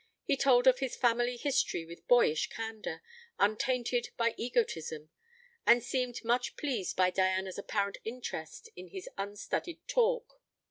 He told of his family history with boyish candour, untainted by egotism, and seemed much pleased by Diana's apparent interest in his unstudied talk.